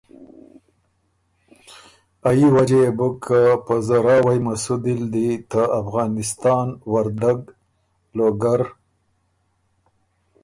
ا يي وجه يې بُک که په زراوئ مسودی ال دی ته افغانستان وردګ، لوګر